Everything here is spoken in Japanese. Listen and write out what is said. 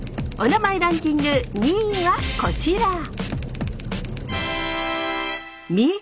「おなまえランキング」２位はこちら！